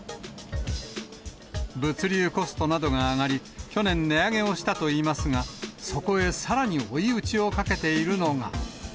物流コストなどが上がり、去年値上げをしたといいますが、そこへ、さらに追い打ちをかけているのが。